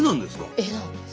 絵なんです。